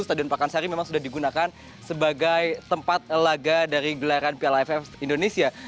stadion pakansari memang sudah digunakan sebagai tempat laga dari gelaran piala aff indonesia